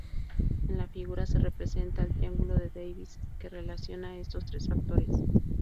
En la figura se representa el triángulo de Davis que relaciona estos tres factores.